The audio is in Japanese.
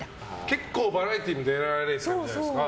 結構バラエティーも出られてるじゃないですか。